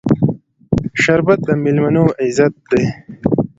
شربت د میلمنو عزت دی